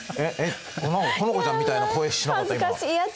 好花ちゃんみたいな声しなかった？